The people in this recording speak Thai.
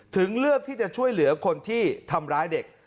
เลือกที่จะช่วยเหลือคนที่ทำร้ายเด็ก